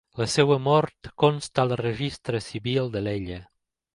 La seva mort consta al registre civil d'Alella.